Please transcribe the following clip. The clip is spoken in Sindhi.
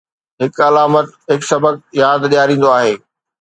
هڪ علامت هڪ سبق ياد ڏياريندو آهي.